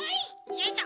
よいしょ